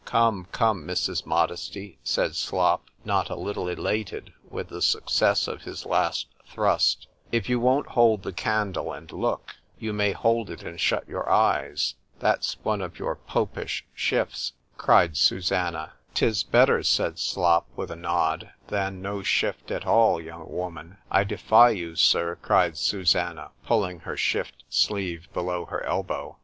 _—Come, come, Mrs. Modesty, said Slop, not a little elated with the success of his last thrust,——If you won't hold the candle, and look—you may hold it and shut your eyes:—That's one of your popish shifts, cried Susannah:—'Tis better, said Slop, with a nod, than no shift at all, young woman;——I defy you, Sir, cried Susannah, pulling her shift sleeve below her elbow.